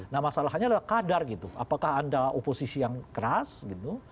nah masalahnya adalah kadar gitu apakah anda oposisi yang keras gitu